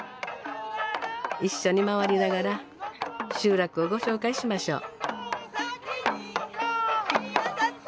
一緒に回りながら集落をご紹介しましょう。